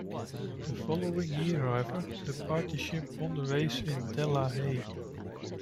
The following year however the partnership won the race in a Delahaye.